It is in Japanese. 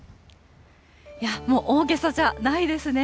いや、もう、大げさじゃないですね。